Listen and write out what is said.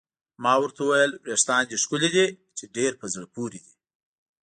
ما ورته وویل: وریښتان دې ښکلي دي، چې ډېر په زړه پورې دي.